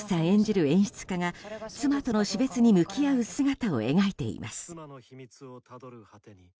演じる演出家が妻との死別に向き合う姿を描いています。